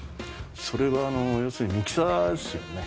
それは要するにミキサーですよね。